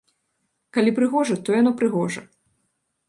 Калі прыгожа, то яно прыгожа!